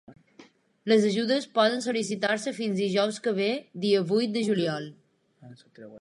Les ajudes poden sol·licitar-se fins dijous que ve dia vuit de juliol.